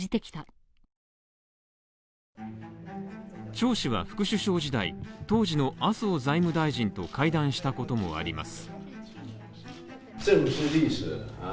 張氏は副首相時代、当時の麻生財務大臣と会談したこともあります。